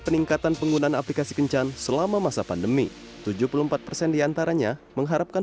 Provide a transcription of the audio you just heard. peningkatan penggunaan aplikasi kencan selama masa pandemi tujuh puluh empat persen diantaranya mengharapkan